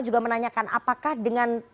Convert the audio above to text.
juga menanyakan apakah dengan